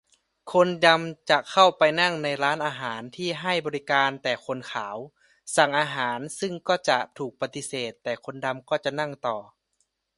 คนดำจะเข้าไปนั่งในร้านอาหารที่ให้บริการแต่คนขาว สั่งอาหาร ซึ่งก็จะถูกปฏิเสธ แต่คนดำก็จะนั่งต่อ